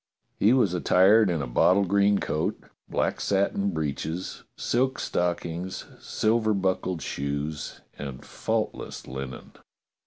He was attired in a bottle green coat, black satin breeches, silk stockings, silver buckled shoes, and faultless linen.